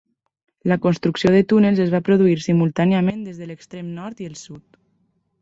La construcció de túnels es va produir simultàniament des de l'extrem nord i el sud.